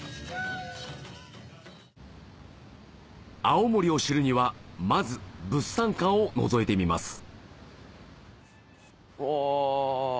青森を知るにはまず物産館をのぞいてみますお。